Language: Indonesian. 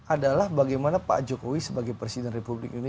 adalah bagaimana pak jokowi sebagai presiden republik ini